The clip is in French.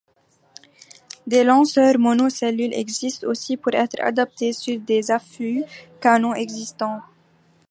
Des lanceurs mono-cellule existent aussi pour être adaptés sur des affûts-canons existants.